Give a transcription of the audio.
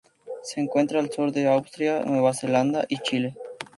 Se encuentra al sur de Australia, Nueva Zelanda y Chile.